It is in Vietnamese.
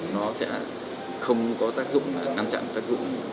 nó sẽ không có tác dụng ngăn chặn tác dụng